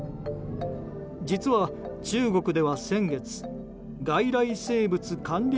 実は中国では先月外来生物管理